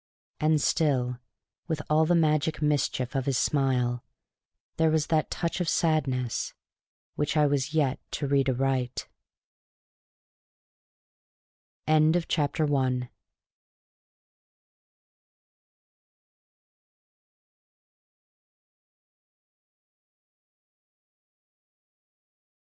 And still, with all the magic mischief of his smile, there was that touch of sadness which I was yet to read aright.